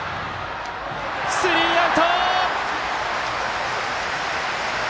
スリーアウト！